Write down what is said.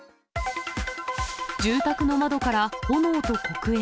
住宅の窓から炎と黒煙。